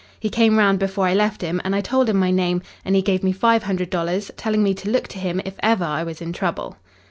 He came round before I left him, and I told him my name, and he gave me five hundred dollars, telling me to look to him if ever I was in trouble.